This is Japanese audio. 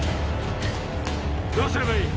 どうすればいい？